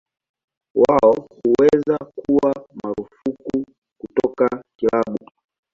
Wao huweza kuwa marufuku kutoka kilabu.